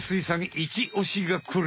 イチオシがこれ。